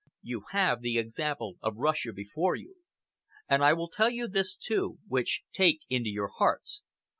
You have the example of Russia before you. And I will tell you this, too, which take into your hearts.